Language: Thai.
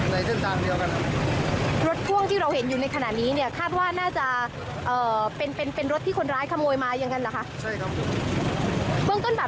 เบื้องต้นบาดแผลของสารวัตรแกเป็นอย่างไรบ้างครับ